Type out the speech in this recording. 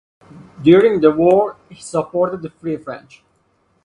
During the war, he supported the Free French.